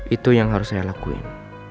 itu yang harus saya lakuin